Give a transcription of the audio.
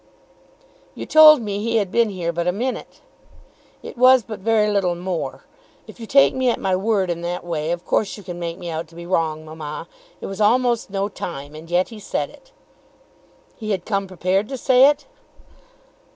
"You told me he had been here but a minute." "It was but very little more. If you take me at my word in that way, of course you can make me out to be wrong, mamma. It was almost no time, and yet he said it." "He had come prepared to say it."